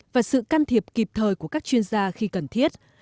và sự can thiệp kịp thời của các chuyên gia khi cần thiết